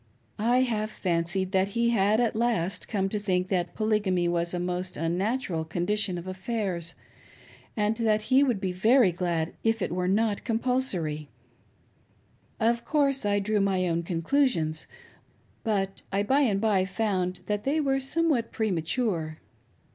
I half fancied that he had at last come to think that Polygamy was a most unnatural eonditiow of affairs, and that he would be very glad if it were not compulsory. Of course, I drew my own conclusions, but I by and by lound that they were somewhat premature.